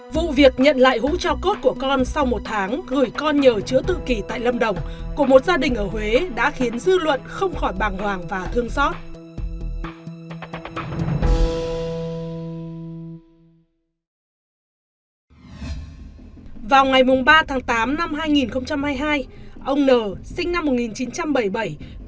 vụ việc nhận lại hũ cho cốt của con sau một tháng gửi con nhờ chữa tự kỳ tại lâm đồng của một gia đình ở huế đã khiến dư luận không khỏi bàng hoàng và thương xót